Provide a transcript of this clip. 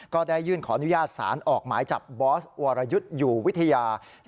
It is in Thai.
ก็ได้ยื่นขออนุญาตสารออกหมายจับบอสวรยุทธ์อยู่วิทยา